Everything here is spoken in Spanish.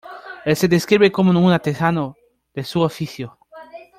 Él se describe como un "artesano" de su oficio.